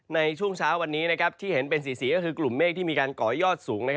ในช่วงเช้าวันนี้ที่เห็นเป็นสีก็คือกลุ่มเมฆที่มีการก่อยอดสูง